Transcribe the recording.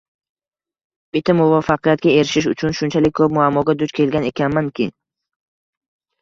Bitta muvaffaqiyatga erishish uchun shunchalik koʻp muammoga duch kelgan ekanmanki